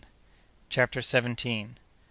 CHAPTER SEVENTEENTH.